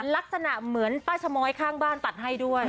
ลักษณะเหมือนป้าชะม้อยข้างบ้านตัดให้ด้วย